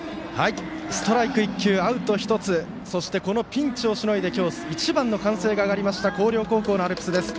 ストライク１球アウト１つそして、このピンチをしのいで今日、一番の歓声が上がりました広陵高校のアルプスです。